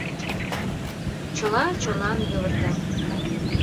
Чыла чонан йывырта